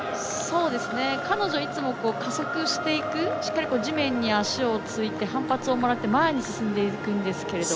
彼女はいつも加速していくしっかり地面に足をついて反発をもらって前に進んでいくんですが。